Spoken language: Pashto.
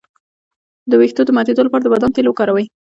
د ویښتو د ماتیدو لپاره د بادام تېل وکاروئ